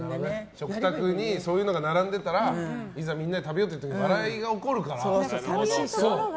食卓にそういうのが並んでいたらいざ、みんなで食べようという時笑いが起こるから。